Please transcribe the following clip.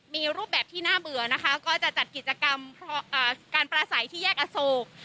มีรูปแบบที่น่าเบื่อนะคะก็จะจัดกิจกรรมการประสัยที่แยกอโศก